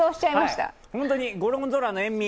本当にゴルゴンゾーラの塩味